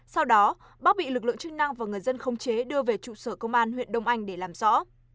sau đó bắc bị lực lượng chức năng và người dân không chế đưa về trụ sở công an huyện đông anh để làm rõ